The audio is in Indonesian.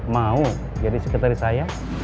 mau jadi sekretaris saya